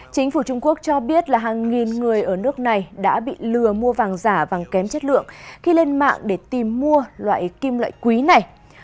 chính phủ trung quốc cho biết là hàng nghìn người ở nước này đã bị lừa mua vàng giả vàng kém chất lượng khi lên mạng để tìm mua loại kim loại quý này